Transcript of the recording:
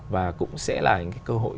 và cũng sẽ là cái cơ hội